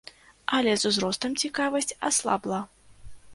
Але з узростам цікавасць аслабла.